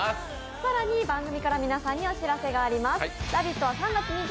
更に番組から皆さんにお知らせがあります。